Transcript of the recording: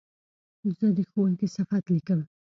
زه د ښوونکي صفت لیکم.